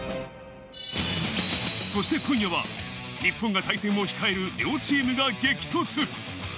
そして今夜は、日本が対戦を控える両チームが激突。